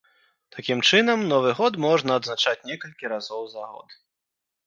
Такім чынам новы год можна адзначаць некалькі разоў за год.